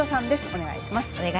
お願いします。